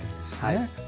はい。